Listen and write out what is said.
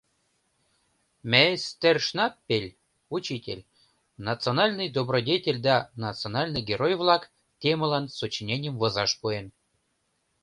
Меестер Шнаппель, учитель, “Национальный добродетель да национальный герой-влак” темылан сочиненийым возаш пуэн.